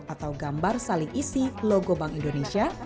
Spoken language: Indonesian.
atau gambar saling isi logo bank indonesia